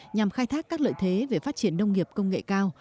nhằm khai thác các lợi thế về phát triển nông nghiệp công nghệ cao